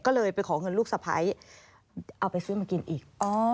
ก็เลยไปขอเงินลูกสะพ้ายเอาไปซื้อมากินอีก